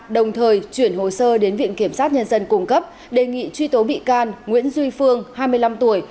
đồng thời chuyển hồ sơ đến viện kiểm sát nhân dân cung cấp đề nghị truy tố bị can nguyễn duy phương hai mươi năm tuổi